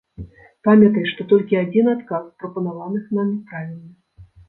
Памятай, што толькі адзін адказ з прапанаваных намі правільны.